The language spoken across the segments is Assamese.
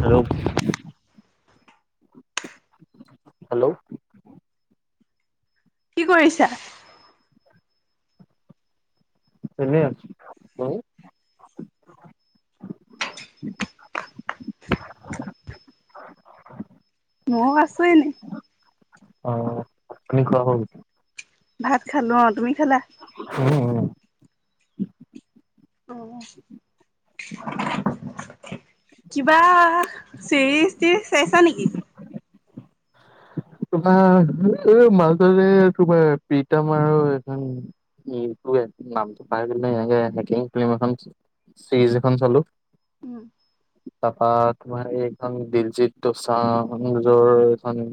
হেল্ল' হেল্ল' কি কৰিছা? এনেই আছো তুমি ময়ো আছো এনেই অ ভাত পানী খোৱা হল ভাত খালো অ তুমি খালা? উম উম অ কিবা- চিৰিজ টি চাইছা নেকি? তোমাৰ এই মাজতে তোমাৰ প্ৰীতাম আৰু এখন উম টু ৱে নামটো পাহৰি গলোঁ নহয় সেনেকে এনেকে ফ্লিম এখন আছে। চিৰিজ এখন চালো। উম তাপা তোমাৰ এইখন দিলজিত টো চা হুনোনিজৰ এখন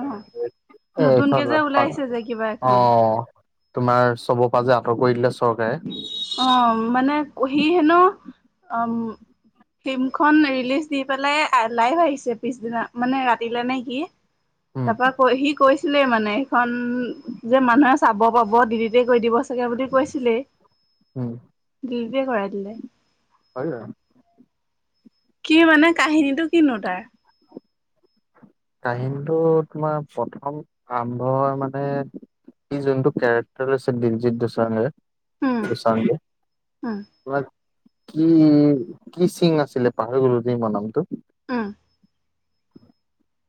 অ নতুনকে [unintelligible] যে ওলাইছে যে কিবা অ এখন। তোমাৰ চবৰ পৰা যে আঁতৰ কৰি দিলে চৰকাৰে। অ মানে কহি হেনো অম ফিল্মখন ৰিলিজ দি পেলাই লাইভ আহিছে পিছদিনা মানে ৰাতিলে নে কি উম, তাপা কৈ সি কৈছ- ছিলে মানে সেইখন যে মানুহে চাব পাব দিলিতে কৰি দিব চাগে বুলি কৈছিলেই। উম। দিলিটে কৰাই দিলে। হয় য়া। কি মানে কাহিনীটো কিনো তাৰ? কাহিনটো তোমাৰ প্ৰথম আৰম্ভ মানে। ই যোনটো কেৰেক্টাৰ আছে দিলজিত দোচানে। উম [unintelligible] উম তোমাক কি কি সিং আছিলে পাহাৰি গলোঁ মই নামটো। উম।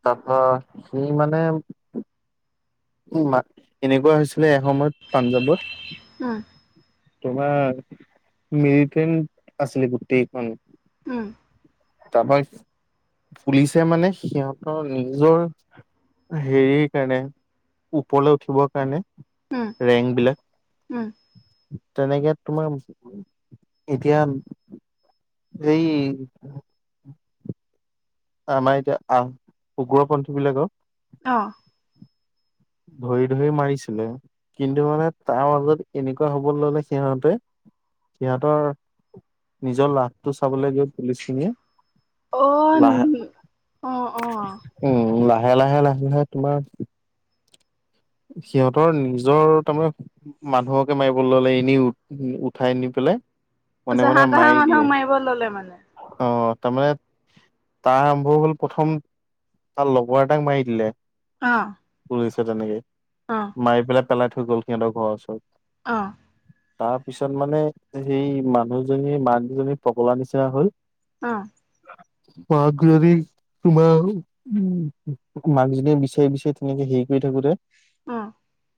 তা পা সি মানে উ মা এনেকুৱা হৈছিলে এসময়ত পাঞ্জাৱত উম। তোমাৰ মিৰিটেণ্ট আছিলে গোটেইখন উম। তা পা পুলিচে মানে সিহঁতৰ নিজৰ হেৰিৰ কাৰণে ওপৰলৈ উঠিবৰ কাৰণে উম, ৰেং উম, বিলাক তেনেকে তোমাৰ এতিয়া এই [inaudible] আমাৰ এতিয়া আহ উগ্ৰপন্থীবিলাক অ। ধৰি ধৰি মাৰিছিলে। কিন্তু মানে তাৰ মাজত এনেকুৱা হ'ব ল'লে সিহঁতে সিহঁতৰ নিজৰ লাভটো চাবলৈ গৈব পুলিচখিনিয়ে অ', লাহ- অ', অ', উম লাহে লাহে লাহে লাহে তোমাৰ সিহঁতৰ নিজৰ তাৰমানে মানুহকে মাৰিবলৈ ল'লে এনেই উঠাই নি পেলাই মনে মনে জাহা তাহা মাৰি দিয়ে। মানুহক মাৰিব ল'লে মানে। অ তা মানে তাৰ আৰম্ভ হল প্ৰথম তাৰ লগৰ এটাক মাৰি দিলে। অ। পুলিছে তেনেকে অ', মাৰি পেলাই পেলাই থৈ গ'ল সিহঁতৰ ঘৰৰ ওচৰত। অ। তাৰ পিছত মানে সেই মানুহজনী মাক দুজনী পগলা নিচিনা হল। অ। মাক জনি - তোমাৰ উ মাক জনী বিচাৰি বিচাৰি তেনেকে হেৰি কৰি থাকোতে অ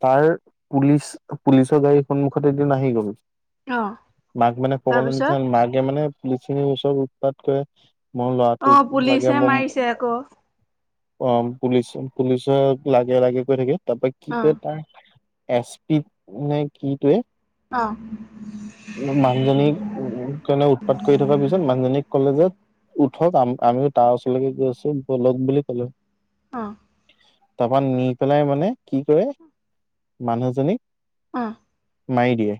তাৰ পুলিচ পুলিচৰ গাড়ীৰ সন্মুখত এদিন আহি গল অ', মাক মানে সবলে তাৰপিছত নিচনা মাকে মানে পুলিচখিনিৰ ওচৰত উৎপাত কৰে মই ল'ৰাটো অ', লাগে পুলিচে ম মাৰিছে আকৌ অ পুলিচ পুলিচক লাগে লাগে কৈ থাকে তাৰপৰা কি অ', কৰে তাৰ এছ পি নে কিতোৱে অ মানুহজনীক কাৰণে উৎপাত কৰি থকাৰ পিছত মানুহজনীক কলেজত উঠক আ আমিও তাৰ ওচৰলৈকে গৈ আছো বলক বুলি কলে আ তাৰপা নি পেলাই মানে কি কৰে মানুহজনীক অ মাৰি দিয়ে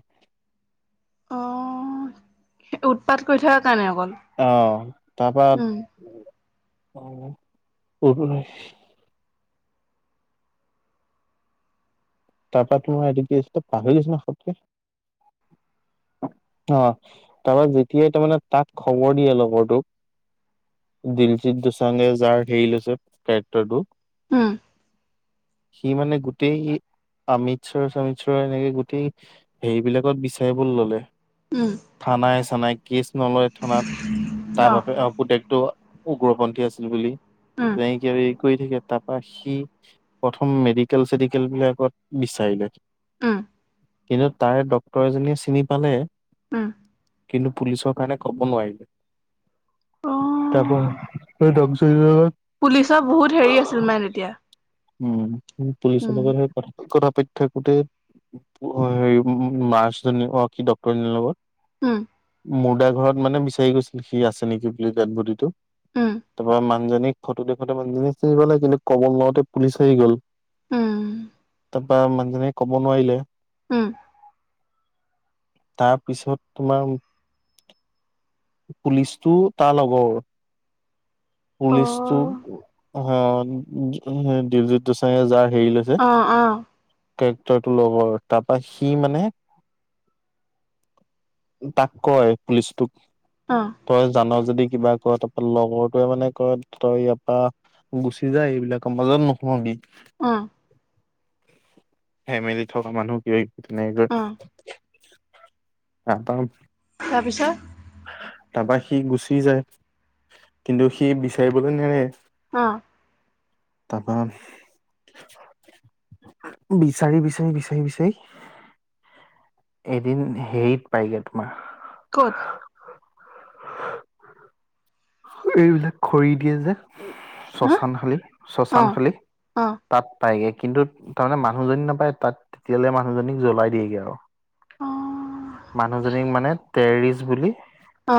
অ সেইটো উৎপাত কৰি থকাৰ কাৰণে অকল অ তাৰপা উম, কৰ্টলৈ তাৰপৰা তোমাৰ এটো কি আছিলে পাহৰি গৈছো নহয় পতকে অ তাৰপৰা যেতিয়াই তাৰ মানে তাক খবৰ দিয়ে লগৰটোক দিলজিত দোচাঙে যাৰ হেৰি লৈছে কেৰেক্টাৰটো উম সি মানে গোটেই সি আমিতসৰ চমিতচ্বৰ এনেকে গোটেই হেৰিবলাকত বিচাৰিব ললে উম থানাই চানাই কেচ নলয় থানাত তাৰ বাপেক অ পুতেক টো উগ্ৰপন্থী আছিল বুলি উম, তেনেকিয় কৰি থাকে তাত বা সি প্ৰথম মেডিকেল চেডিকেল বিলাকত বিচাৰিলে উম, কিন্তু তাৰে ডক্তৰ এজনীয়ে চিনি পালে অ কিন্তু পুলিচৰ কাৰণে কব নোৱাৰিলে তাৰপৰা অ', এই দৰৱ চৰৱ বিভাগত পুলিচৰ বহুত হেৰি আছিল মানে তেতিয়া উ পুলিচৰ উম, লগতহে কথা কথা পাতি থাকোতে হেৰি নাৰ্ছজনীয়ে অ কি ডক্তৰ জনীৰ লগত উম মুৰ্দা ঘৰত মানে বিচাৰি গৈছিল সি আছে নেকি বুলি ডেড বডিটো উম, তাৰপৰা মা মানুহজনী ফটো দেখোতে মানুজনী চিনিব লাগে কিন্তু কব লওতে পুলিচ আহি গ'ল উ তাৰপা মানুহজনে ক'ব নোৱাৰিলে উম তাৰপিছত তোমাৰ পুলিচটো তাৰ লগৰ পুলিচটো অ', অ দিলজিত দোচাঙে যাৰ হেৰি লৈছে অ অ, কেৰেক্টাৰটো ল'ব আৰু তাৰপা সি মানে। তাক কয় পুলিচটোক, অঁ তই জান যদি কিবা ক তাৰপৰা লগৰটোৱে মানে কয় তই ইয়াৰ পৰা। গুচি যায় এইবিলাকৰ মাজত নোহোমাবি। অ, ফেমেলি থকা মানুহ কি তেনে, অ', নাপাও, তাৰপিছত। তাপা সি গুচি যায় কিন্তু সি বিচাৰিবলৈ নেৰে। অ, তাৰপৰা। বিচাৰি বিচাৰি বিচাৰি বিচাৰি, এদিন হেৰিত পায়গে তোমাৰ। ক'ত, এইবিলাক খৰি দিয়ে যে। হা শশান খালী শশান অ', খালী অ', অ', তাত পাইগে কিন্তু, তাৰমানে মানুহজনী নাপায় তাত তেতিয়াললে মানুহজনীক জ্বলাই দিয়েগে আৰু অ', মানুহজনীক মানে টেৰিষ্ট বুলি। অ,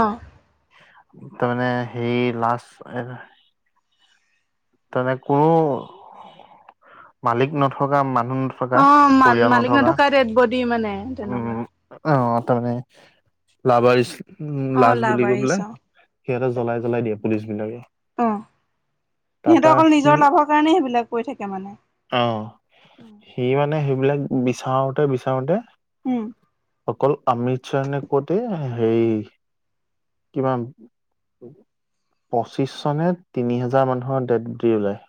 তাৰমানে সেই লাষ্ট তেনে কোনো মালিক নথকা মানুহ নথকা অ মা পৰিয়াল মালিক নথকা ডেড বডি মানে তেনেকুৱা। উম অ তাৰমানে লাবাৰ উ অ', লাজ লাভ বুলি কৈ আৰিছ পেলাই। অ', সিহঁতে জলাই জ্বলাই দিয়ে পুলিচ বিলাকে। অ তাৰপা সিহঁতৰ অকল সি নিজৰ লাভৰ কাৰণে সেইবিলাক কৰি থাকে মানে। অ সি মানে সেইবিলাক বিচাৰোতে বিচাৰোতে। উম, অকল অমিত শৰ নে কতে হেৰি। কিমান পঁচিশ চনে তিনি হোজাৰ মানুহৰ ডেট বদি ওলায়।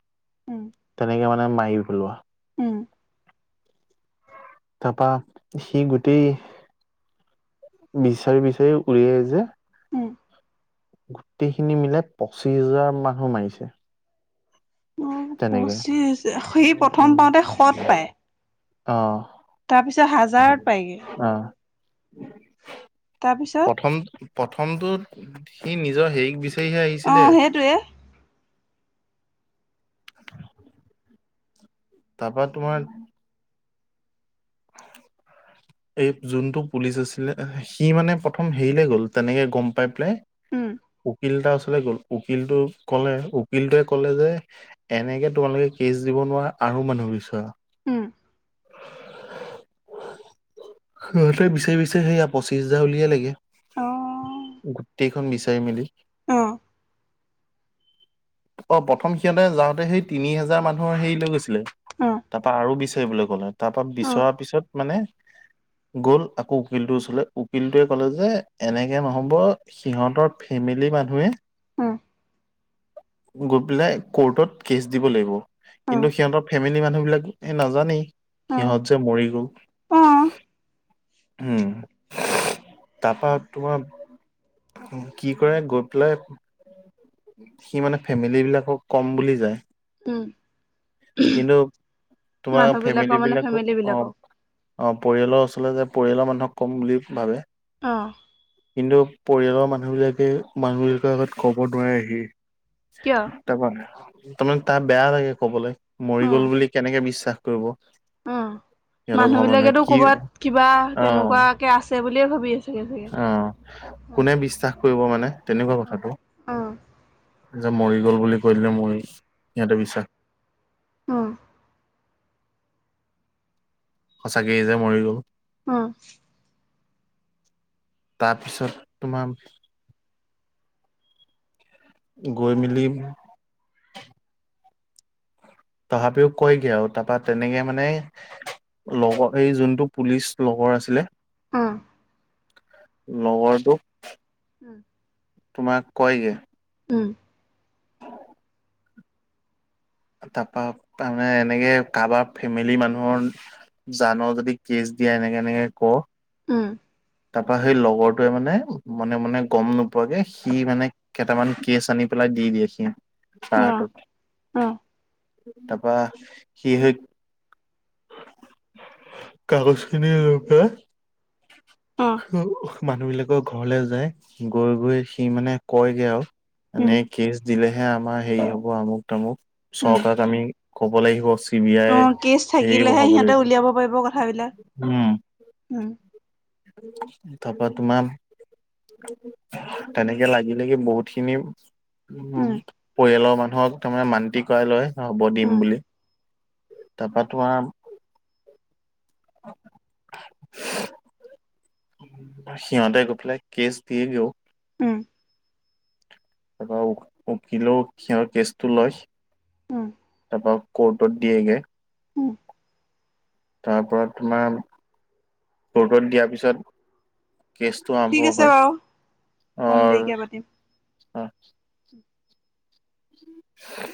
উম, তেনেকে মানে মাৰি পেলোৱা। উম, তাৰপা সি গোটেই, বিচাৰি বিচাৰি উলিয়াই আহ যে, উম, গোটেইখিনি মিলাই পঁচিশ হাজাৰ মানুহ মাৰিছে। তেনেকে পঁচিছ সেই প্ৰথম পাওঁতে সৎ পায়, অ, তাৰপিছত হাজাৰত পায়গে আহ তাৰপিছত প্ৰথম, প্ৰথমটোত সি নিজৰ হেৰিক বিচাৰিহে আহিছিলে। অ', সেইটোৱে তাৰপা তোমাৰ। [inaudible] এই যোনটো পুলিচ আছিলে সি মানে প্ৰথম হেৰিলে গ'ল তেনেকে গম পাই পেলাই। উম, উকিল এটা ওচলে গ'ল উকিলটোক ক'লে উকিলটোৱে ক'লে যে, এনেকে তোমালোকে কেছ দিব নোৱাৰা আৰু মানুহ বিচৰা। উম। সিহঁতে বিচাৰি বিচাৰি সেয়া পঁচিছ হাজাৰ উলিয়াই লাগে। অ', গোটেইখন বিচাৰি মেলি। অ', অ', প্ৰথম সিহঁতে যাওঁতে সেই তিনি হাজাৰ মানুহৰ হেৰি লৈ গৈছিলে। অ', তাৰপা আৰু বিচাৰবলৈ ক'লে তাৰপা অ', বিচৰৰা পিছত মানে গ'ল আকৌ উকিলটোৰ ওচৰলে উকিলটোৱে ক'লে যে এনেকে নহ'ব সিহঁতৰ ফেমিলি মানুহে উম। গৈ পেলাই কৰ্টত কেচ দিব লাগিব। অ', কিন্তু সিহঁতৰ ফেমিলি মানুহ বিলাক এই নাজানেই অ', সিহঁত যে মৰি গ'ল। অ', উম তাৰপা তোমাৰ কি কৰে গৈ পেলাই সি মানে ফেমিলি বিলাকক কম বুলি যায় উম, কিন্তু তোমাৰ মানুহ বিলাকৰ ফেমিলী মানে বিলাকো ফেমিলি অ'। বিলাকক অ', পৰিয়ালৰ ওচৰলৈ যে পৰিয়ালৰ মানুহক কম বুলি ভাবে। অ'। কিন্তু পৰিয়ালৰ মানুহবিলাকে মানুহবিলাকৰ আগত ক'ব নোৱাৰেহি। কিয়? তাৰমানে তাৰ বেয়া লাগে কবলৈ মৰি গ'ল বুলি কেনেকে বিশ্বাস কৰিব। উ সিহঁতৰ মানুহ ঘৰৰ মানুহে বিলাকেতো কি ক'বাত কিবা অ তেনেকুৱাকে আছে বুলিয়ে ভাবি আছে। চাগে চাগে। অ', উম, কোনে বিশ্বাস কৰিব মানে তেনেকুৱা উম, কথাটো। অ', যে মৰি গ'ল বুলি কৈ দিলে মই সিহঁতে বিশ্বাস হম। সঁচাকেই যে মৰি গ'ল। উম। তাৰপিছত তোমাৰ গৈ মেলি তথাপিও কয়গে আৰু তাৰাপা তেনেকে মানে লগৰ এই যোনটো পুলিচ লগৰ আছিলে। উম। লগৰটো উম। তোমাক কয়গৈ উম। তাৰপা তাৰমানে এনেকে কাৰোবাৰ ফেমিলি মানুহৰ। জান যদি কেছ দিয়া এনেকে এনেকে ক। উম। তাৰ পৰা সেই লগৰটোৱে মানে মানে মানে গম নোপোৱাকে সি মানে কেইটামান কেচ আনি পেলাই দি দিয়ে সি চাহটোত তাৰপা সি কাগজ খিন লৈ পেলায়। মানুহ বিলাকৰ ঘৰলে যায় ঘৰ গৈ গৈ সি মানে কয়গে আৰু উম, এনে কেচ দিলেহে আমাৰ হেৰি হ'ব আমুক তামুক উম, চৰকাৰক আমি ক'ব লাগিব চি বি আই অ', কেচ হেৰি থাকিলেহে বঢ়াব সিহঁতে উলিয়াব পাৰিব কথাবিলাক লাগিব। উম। উম, তাপা তোমান। তেনেকে লাগি লাগি বহুত খিনি- উ উম, পৰিয়ালৰ মানুহক তাৰমানে মান্তি কৰাই লয় হ'ব দিম উম, বুলি। তাৰপা তোমাৰ নাম। [inaudible] সিহূতে গৈ পেলাই কেচ দিয়ে গেও। উম, তাৰপৰা উ উকিলো সিহঁত কেচটো লয়। উম, তাৰপা কৰ্টত দিয়েগে। উম, তাৰপৰত তোমাৰ কৰ্টত দিয়াৰ পিছত। কেচটো ঠিক আৰম্ভ আছে বাৰু হয় অকণ দেৰিকে পাতিম। আৰু অ। [unintelligible]